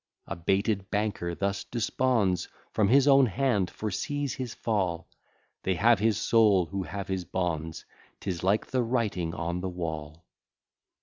A baited banker thus desponds, From his own hand foresees his fall, They have his soul, who have his bonds; 'Tis like the writing on the wall.